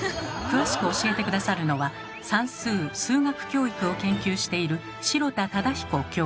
詳しく教えて下さるのは算数・数学教育を研究している